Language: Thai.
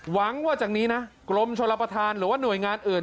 หวังว่าจากนี้นะกรมชลประธานหรือว่าหน่วยงานอื่น